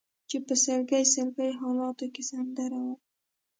چې په سلګۍ سلګۍ حالاتو کې سندره ومه